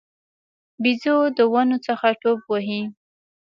بیزو د ونو څخه ټوپ وهي.